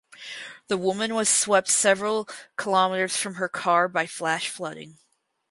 The woman was swept several kilometres from her car by flash flooding.